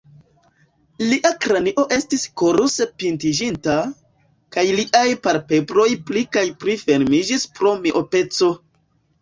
Lia kranio estis konuse pintiĝinta, kaj liaj palpebroj pli kaj pli fermiĝis pro miopeco.